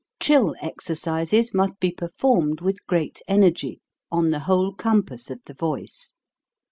Trill exercises must be performed with great energy, on the whole compass of the voice.